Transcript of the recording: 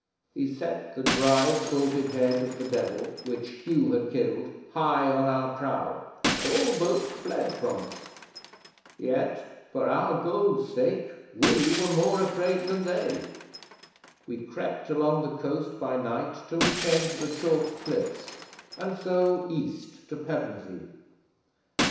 'He set the dried, salted head of the Devil, which Hugh had killed, high on our prow, and all boats fled from us. Yet, for our gold's sake, we were more afraid than they. We crept along the coast by night till we came to the chalk cliffs, and so east to Pevensey.